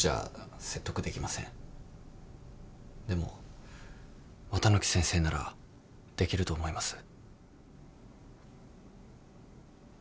でも綿貫先生ならできると思います。